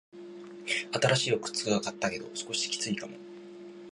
新しい靴を買ったけど、少しきついかも。